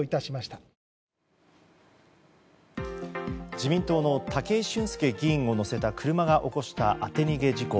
自民党の武井俊輔議員を乗せた車が起こした当て逃げ事故。